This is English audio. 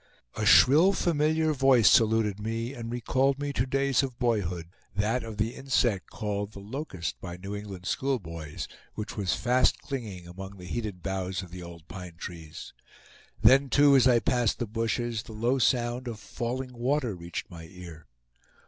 A shrill, familiar voice saluted me, and recalled me to days of boyhood; that of the insect called the "locust" by New England schoolboys, which was fast clinging among the heated boughs of the old pine trees. Then, too, as I passed the bushes, the low sound of falling water reached my ear.